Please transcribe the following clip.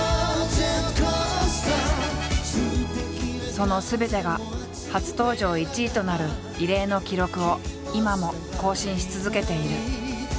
そのすべてが初登場１位となる異例の記録を今も更新し続けている。